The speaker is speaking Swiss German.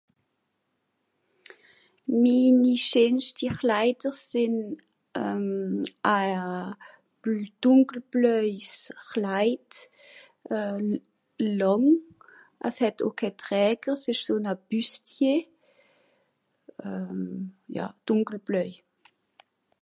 Mini scheenschti Chleider sìnn... eumh... a dunkelbloeis Chleid, euh... làng. As het oo ke Träger, s ìsch so-n-a Bustier. Euh... ja, dùnkelbloei.